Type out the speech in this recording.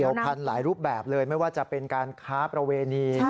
พันธุ์หลายรูปแบบเลยไม่ว่าจะเป็นการค้าประเวณี